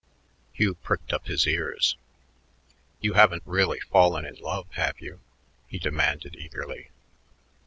Hugh pricked up his ears. "You haven't really fallen in love, have you?" he demanded eagerly.